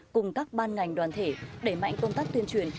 cùng các ban ngành đoàn thể đẩy mạnh công tác tuyên truyền